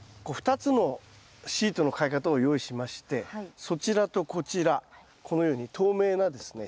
２つのシートのかけ方を用意しましてそちらとこちらこのように透明なですね